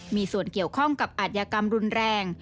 มีส่วนเกี่ยวข้องกับอาทยากรรมรุนแรง